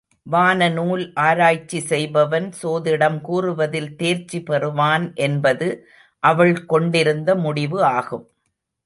வானநூல் ஆராய்ச்சி செய்பவன் சோதிடம் கூறுவதில் தேர்ச்சி பெறுவான் என்பது அவள் கொண்டிருந்த முடிவு ஆகும்.